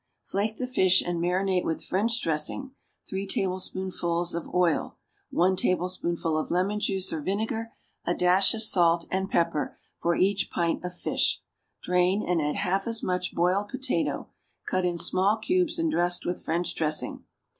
= Flake the fish and marinate with French dressing (three tablespoonfuls of oil, one tablespoonful of lemon juice or vinegar, a dash of salt and pepper, for each pint of fish); drain, and add half as much boiled potato, cut in small cubes and dressed with French dressing.